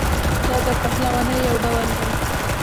دا د پهلوانۍ یو ډول دی.